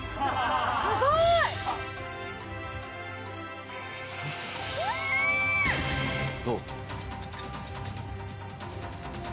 すごい！どう？